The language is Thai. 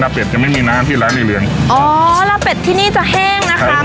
นับเป็ดจะไม่มีน้ำที่ร้านในเรืองอ๋อแล้วเป็ดที่นี่จะแห้งนะคะ